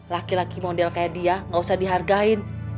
laki laki model kayak dia gak usah dihargain